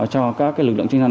cho các lực lượng trinh thần